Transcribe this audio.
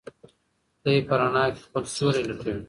دی په رڼا کې خپل سیوری لټوي.